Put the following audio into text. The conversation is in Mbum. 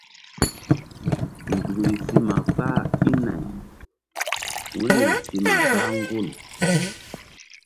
Nzukri si ma kpah i nay wu̧yri si ma kpah gul.